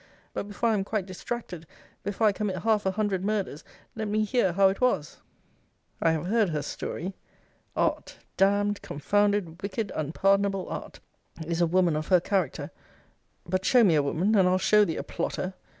But before I am quite distracted, before I commit half a hundred murders, let me hear how it was.' I have heard her story! Art, damn'd, confounded, wicked, unpardonable art, is a woman of her character But show me a woman, and I'll show thee a plotter!